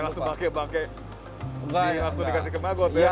enggak langsung bangkai bangkai langsung dikasih ke maggot ya